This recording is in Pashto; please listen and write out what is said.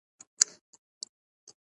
کیمیاوي تعامل څه ته وایي او څنګه ترسره کیږي